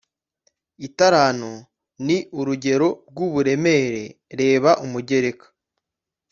Italanto ni urugero rw uburemere reba umugereka